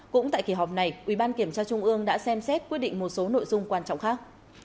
cũng tại kỳ họp này ủy ban kiểm tra trung ương đã xem xét quyết định một số nội dung quan trọng khác